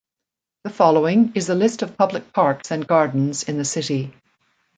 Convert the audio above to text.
The following is a list of public parks and gardens in the city.